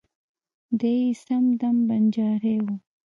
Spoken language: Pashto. دای یې سم دم بنجارۍ و.